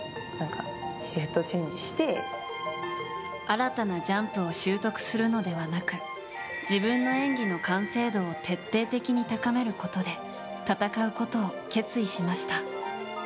新たなジャンプを習得するのではなく自分の演技の完成度を徹底的に高めることで戦うことを決意しました。